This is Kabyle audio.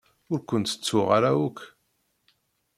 Ur kent-ttuɣ ara akk.